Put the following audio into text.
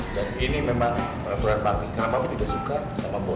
iya dan ini memang preferen papi karena papi tidak suka sama boy